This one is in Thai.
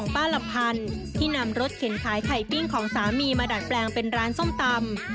ลำพันธ์ที่นำรถเข็นขายไข่ปิ้งของสามีมาดัดแปลงเป็นร้านส้มตำ